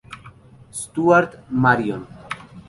Stuart Marion.